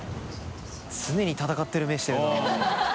常に闘ってる目してるな。